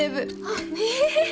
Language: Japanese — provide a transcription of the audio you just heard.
あっええ！